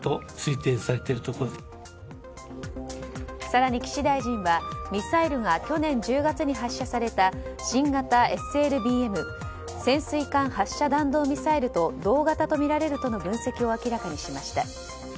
更に岸大臣は、ミサイルが去年１０月に発射された新型ＳＬＢＭ・潜水艦発射弾道ミサイルと同型とみられるとの分析を明らかにしました。